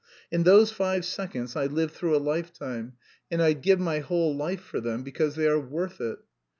In those five seconds I live through a lifetime, and I'd give my whole life for them, because they are worth it.